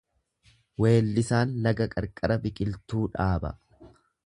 Weellisaan laga qarqara biqiltuu dhaaba.